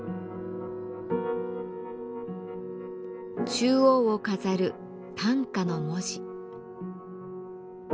中央を飾る「短歌」の文字。